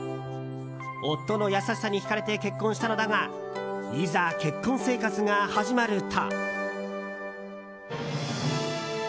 夫の優しさにひかれて結婚したのだがいざ結婚生活が始まると。